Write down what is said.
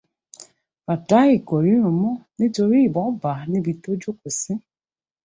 Fàtáì kò ríràn mọ, títorí ìbọn bàá níbí tó jókòó sí